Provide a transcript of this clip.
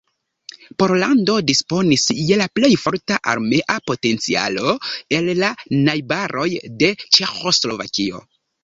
Pollando disponis je la plej forta armea potencialo el la najbaroj de Ĉeĥoslovakio.